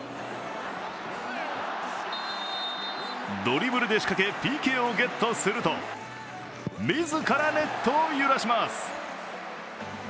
ドリブルで仕掛けＰＫをゲットすると、自らネットを揺らします。